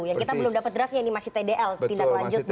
yang kita belum dapat draftnya ini masih tdl